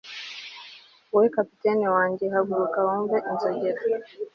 we! kapiteni wanjye! haguruka wumve inzogera